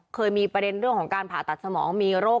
เคยมีประเด็นเรื่องของการผ่าตัดสมองมีโรค